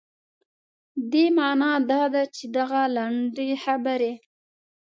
دې معنا دا ده چې دغه لنډې خبرې.